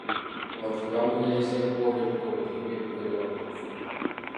Abavubi babonerezebwa olw'ebikolwa ebibi ebikolebwa mu kuvuba.